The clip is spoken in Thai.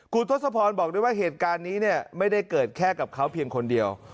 คุณทศพรบอกด้วยว่าเหตุการณ์นี้เนี่ยไม่ได้เกิดแค่กับเขาเพียงคนเดียว